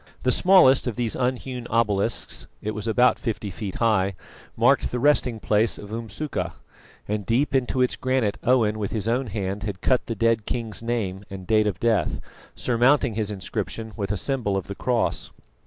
The smallest of these unhewn obelisks it was about fifty feet high marked the resting place of Umsuka; and deep into its granite Owen with his own hand had cut the dead king's name and date of death, surmounting his inscription with a symbol of the cross.